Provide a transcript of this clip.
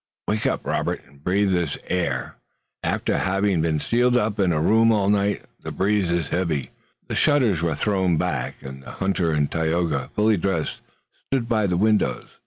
"Wake up, Robert, and breathe this air! After our having been sealed up in a room all night the breeze is heavenly." The shutters were thrown back, and the hunter and Tayoga, fully dressed, stood by the windows.